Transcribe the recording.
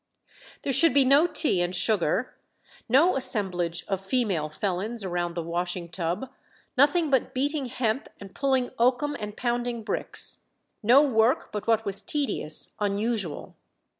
"There should be no tea and sugar, no assemblage of female felons around the washing tub, nothing but beating hemp and pulling oakum and pounding bricks no work but what was tedious, unusual."...